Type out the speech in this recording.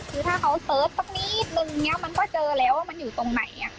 คือถ้าเขาเสิร์ชตรงนี้อีกนึงมันก็เจอแล้วว่ามันอยู่ตรงไหน